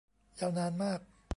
ยาวนานมาก